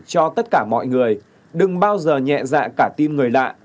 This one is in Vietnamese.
cho tất cả mọi người đừng bao giờ nhẹ dạ cả tin người lạ